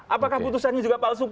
apakah putusannya juga palsu